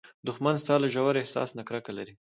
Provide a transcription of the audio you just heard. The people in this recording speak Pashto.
دښمن ستا له ژور احساس نه کرکه لري